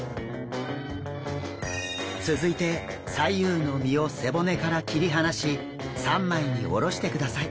続いて左右の身を背骨から切り離し３枚におろしてください。